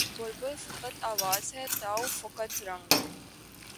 بلبل فقط آواز ہے طاؤس فقط رنگ